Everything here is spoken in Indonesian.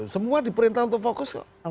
semua diperintah untuk fokus